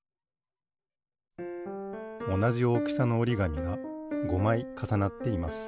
おなじおおきさのおりがみが５まいかさなっています。